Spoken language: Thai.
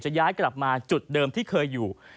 ย้ายกลับมาจุดเดิมที่เคยอยู่